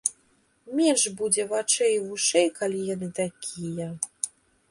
Менш будзе вачэй і вушэй, калі яны такія.